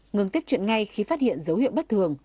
ngừng tiếp chuyện ngay khi phát hiện dấu hiệu bất thường